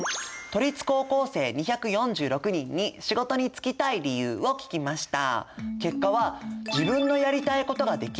都立高校生２４６人に仕事に就きたい理由を聞きました。